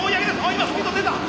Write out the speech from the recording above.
今スピード出た！